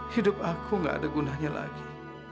hidup aku gak ada gunanya lagi